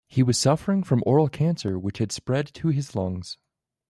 He was suffering from oral cancer which had spread to his lungs.